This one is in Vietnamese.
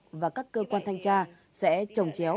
thì các cơ quan thanh tra sẽ trồng chéo